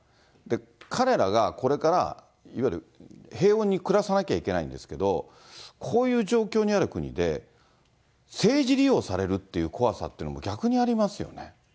彼らがこれからいわゆる平穏に暮らさなきゃいけないんですけど、こういう状況にある国で、政治利用されるっていう怖さっていうのも、逆にありますよね。